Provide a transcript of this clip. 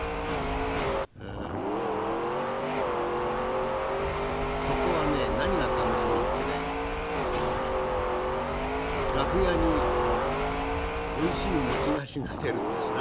うんそこはね何が楽しみってね楽屋においしい餅菓子が出るんですな。